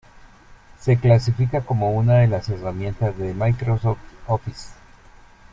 Se clasifica como una de las Herramientas de Microsoft Office.